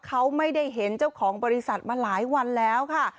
เขาไม่ได้เห็นเจ้าของบริษัทมาหลายวันแล้วค่ะ